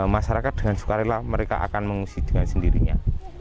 masyarakat dengan sukarela mereka akan mengungsi dengan sendirinya